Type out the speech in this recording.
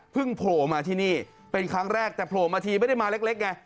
โผล่มาที่นี่เป็นครั้งแรกแต่โผล่มาทีไม่ได้มาเล็กไง